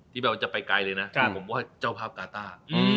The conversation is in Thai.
แบบว่าจะไปไกลเลยนะผมว่าเจ้าภาพกาต้า